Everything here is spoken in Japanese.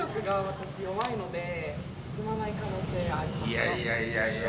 いやいやいやいや。